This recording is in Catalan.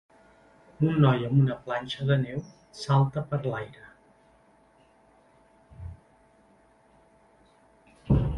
Un noi amb una planxa de neu salta per l'aire.